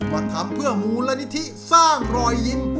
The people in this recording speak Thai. วัลที่ทำเพื่อมูลละนิทิสร้างรอยยิ้ม